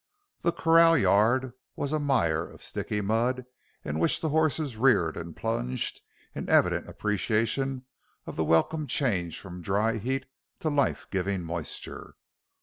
The corral yard was a mire of sticky mud in which the horses reared and plunged in evident appreciation of the welcome change from dry heat to lifegiving moisture.